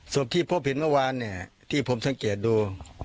ศพที่พบเห็นเมื่อวานเนี่ยที่ผมสังเกตดู